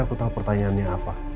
kamu mau ke rumah